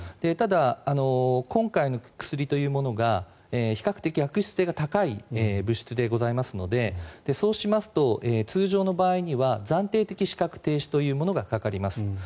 ただ、今回の薬というものが比較的、悪質性が高い物質でありますのでそうしますと通常の場合には暫定的資格停止がかかります。